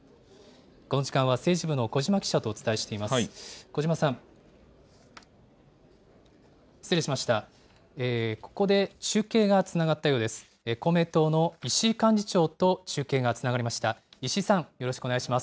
この時間は政治部の小嶋記者とお伝えしています。